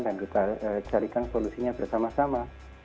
dan kita carikan solusinya bersama sama